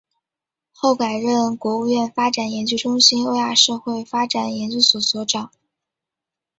后改任国务院发展研究中心欧亚社会发展研究所所长。